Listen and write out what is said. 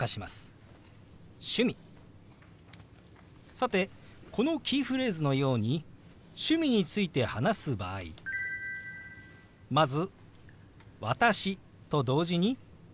さてこのキーフレーズのように趣味について話す場合まず「私」と同時に軽くあごを下げます。